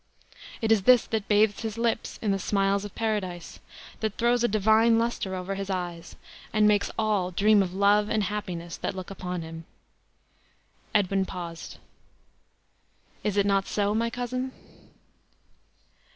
It is this that bathes his lips in the smiles of Paradise, that throws a divine luster over his eyes, and makes all dream of love and happiness that look upon him." Edwin paused. "Is it not so, my cousin?"